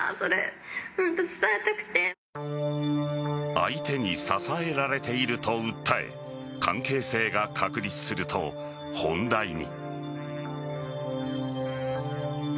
相手に支えられていると訴え関係性が確立すると、本題に。